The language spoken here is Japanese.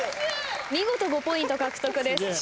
見事５ポイント獲得です。